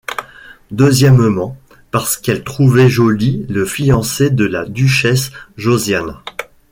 Deuxièmement, parce qu’elle trouvait joli le fiancé de la duchesse Josiane.